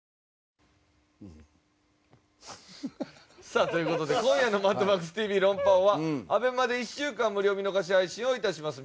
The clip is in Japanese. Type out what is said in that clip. さあという事で今夜の『マッドマックスＴＶ論破王』はＡＢＥＭＡで１週間無料見逃し配信を致します。